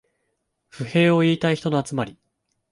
不平を言いたい人の集まり